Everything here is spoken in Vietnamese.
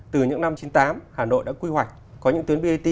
từ những năm chín mươi tám hà nội đã quy hoạch có những tuyến vt